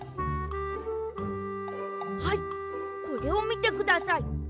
はいこれをみてください。